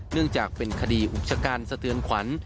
เนื่องจากเป็นคดีอุกชกันสะเทือนขวัญ